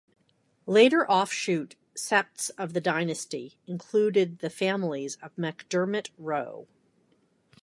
Later offshoot septs of the dynasty included the families of MacDermot Roe.